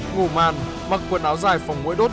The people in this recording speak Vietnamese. ngủ màn mặc quần áo dài phòng mũi đốt